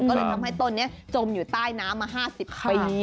ก็เลยทำให้ต้นนี้จมอยู่ใต้น้ำมา๕๐ปี